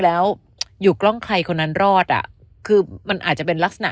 แล้วอยู่กล้องใครคนนั้นรอดอ่ะคือมันอาจจะเป็นลักษณะ